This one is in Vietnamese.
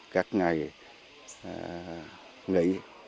các ngày nghỉ